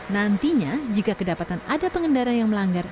nantinya jika kedapatan ada pengendara yang melanggar